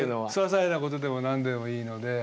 ささいなことでも何でもいいので。